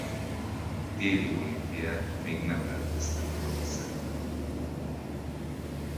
Téli olimpiát még nem rendeztek az országban.